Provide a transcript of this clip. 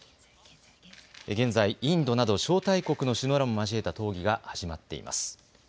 現在、インドなど招待国の首脳らも交えた討議が始まっています。